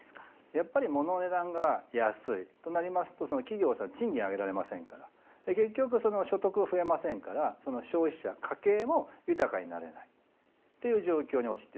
やっぱりものの値段が安いとなりますと企業さん賃金上げられませんから結局所得増えませんから消費者家計も豊かになれないっていう状況に陥ってしまった。